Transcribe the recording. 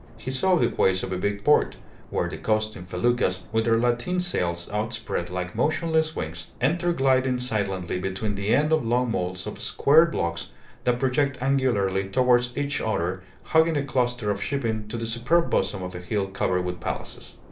He saw the quays of a big port, where the coasting feluccas, with their lateen sails outspread like motionless wings, enter gliding silently between the end of long moles of squared blocks that project angularly towards each other, hugging a cluster of shipping to the superb bosom of a hill covered with palaces.